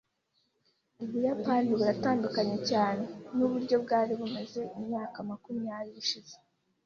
Ubuyapani buratandukanye cyane. nuburyo bwari bumaze imyaka makumyabiri ishize .